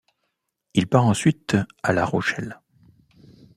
Il part ensuite à La Rochelle.